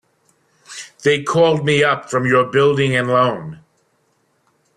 They called me up from your Building and Loan.